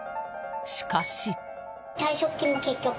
しかし。